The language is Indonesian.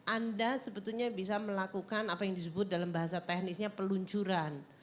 anda sebetulnya bisa melakukan apa yang disebut dalam bahasa teknisnya peluncuran